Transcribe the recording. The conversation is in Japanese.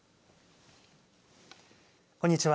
こんにちは。